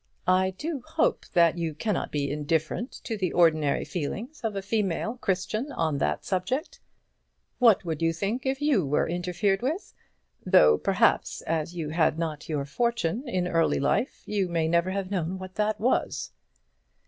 I do hope that you cannot be indifferent to the ordinary feelings of a female Christian on that subject. What would you think if you were interfered with, though, perhaps, as you had not your fortune in early life, you may never have known what that was."